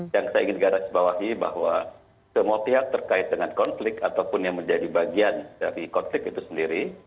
yang saya ingin garis bawahi bahwa semua pihak terkait dengan konflik ataupun yang menjadi bagian dari konflik itu sendiri